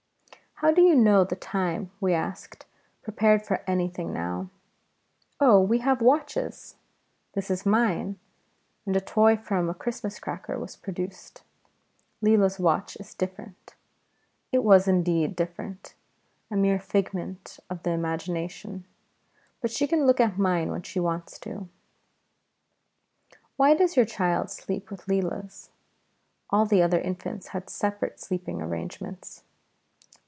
"How do you know the time?" we asked, prepared for anything now. "Oh, we have watches. This is mine," and a toy from a Christmas cracker was produced; "Leela's watch is different" (it was indeed different a mere figment of the imagination), "but she can look at mine when she wants to." "Why does your child sleep with Leela's?" (All the other infants had separate sleeping arrangements.)